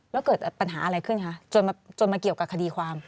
แล้วเกิดปัญหาอะไรขึ้นคะจนมาเกี่ยวกับคดีความ